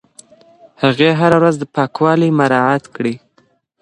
هغې هره ورځ پاکوالی مراعت کړی.